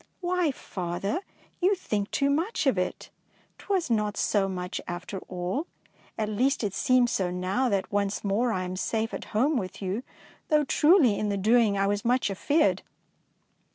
"Why, father, you think too much of it; 'twas not so much after all. At least it seems so now that once more I am safe at home with you, though truly in the doing I was much af eared."